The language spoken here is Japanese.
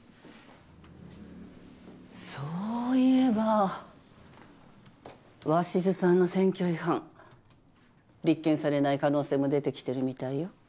そういえば鷲津さんの選挙違反立件されない可能性も出てきてるみたいよ。